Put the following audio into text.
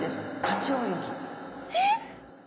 えっ！？